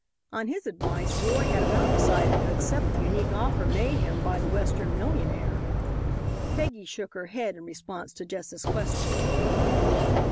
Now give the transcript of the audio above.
On his advice Roy had about decided to accept the unique offer made him by the Western millionaire. Peggy shook her head in response to Jess's question.